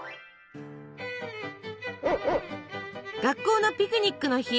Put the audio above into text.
学校のピクニックの日。